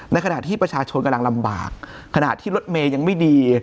ในขณะที่ประชาชนกำลังลำบากขณะที่รถเมย์ยังไม่ดี